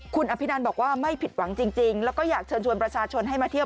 คุณอภินันบอกว่าไม่ผิดหวังจริงแล้วก็อยากเชิญชวนประชาชนให้มาเที่ยว